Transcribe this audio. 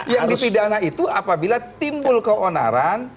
yang dipidana itu apabila timbul keonaran